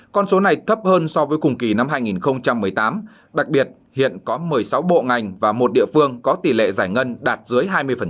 con số này thấp hơn so với cùng kỳ năm hai nghìn một mươi tám đặc biệt hiện có một mươi sáu bộ ngành và một địa phương có tỷ lệ giải ngân đạt dưới hai mươi